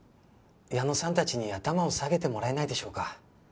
矢野さん達に頭を下げてもらえないでしょうか